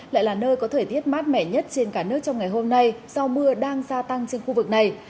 lại là nơi có thời tiết mát mẻ nhất trên cả nước trong ngày hôm nay do mưa đang gia tăng trên khu vực này